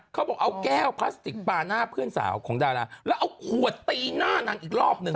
เขาบอกเอาแก้วพลาสติกปลาหน้าเพื่อนสาวของดาราแล้วเอาขวดตีหน้านางอีกรอบหนึ่ง